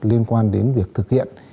liên quan đến việc thực hiện